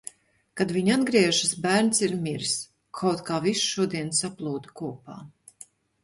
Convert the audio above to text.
Kad viņi atgriežas, bērns ir miris. Kaut kā viss šodien saplūda kopā.